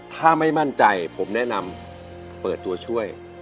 ถ้าไม่มั่นใจผมแนะนำเปิดตัวช่วย